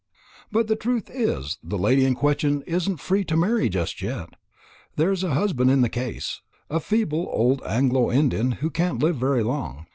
But the truth is, the lady in question isn't free to marry just yet. There's a husband in the case a feeble old Anglo Indian, who can't live very long.